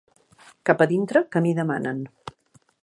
Cap a dintre que m'hi demanen.